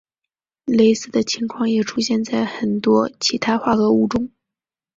类似的情况也出现在很多其他化合物中。